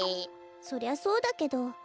そりゃそうだけど。